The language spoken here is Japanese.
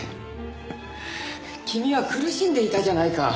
君は苦しんでいたじゃないか。